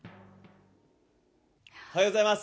おはようございます。